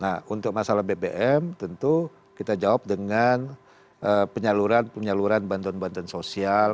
nah untuk masalah bbm tentu kita jawab dengan penyaluran penyaluran bantuan bantuan sosial